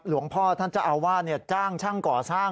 หลวงพ่อท่านเจ้าอาวาสจ้างช่างก่อสร้าง